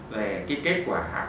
về kết quả